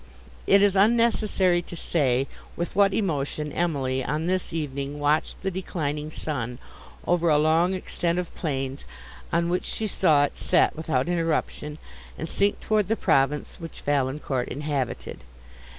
It is unnecessary to say with what emotion Emily, on this evening, watched the declining sun, over a long extent of plains, on which she saw it set without interruption, and sink towards the province which Valancourt inhabited.